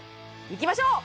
いきましょう！